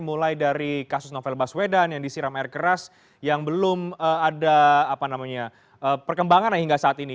mulai dari kasus novel baswedan yang disiram air keras yang belum ada perkembangan hingga saat ini